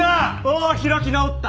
あっ開き直った！